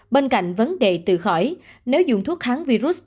bên cạnh vấn đề từ khỏi nếu dùng thuốc kháng virus